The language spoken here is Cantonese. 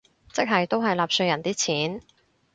即係都係納稅人啲錢